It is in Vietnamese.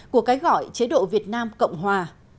của cái gọi chế độ việt nam cộng hòa